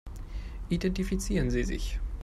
Identifizieren Sie sich.